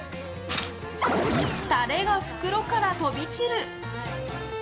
タレが袋から飛び散る！